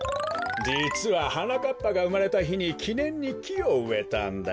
じつははなかっぱがうまれたひにきねんにきをうえたんだよ。